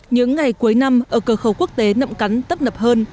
những ngày cuối năm ở cửa khẩu quốc tế nậm cắn tấp nập hơn